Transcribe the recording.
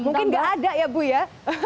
mungkin nggak ada ya bu ya